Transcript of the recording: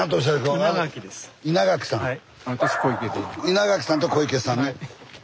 稲垣さんと小池さんね。